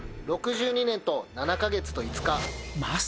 ６２年と７か月と５日。